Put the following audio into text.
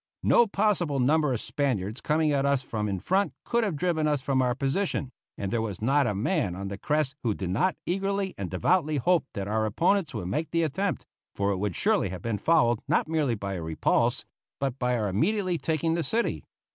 No possible number of Spaniards coming at us from in front could have driven us from our position, and there was not a man on the crest who did not eagerly and devoutly hope that our opponents would make the attempt, for it would surely have been followed, not merely by a repulse, but by our immediately taking the city.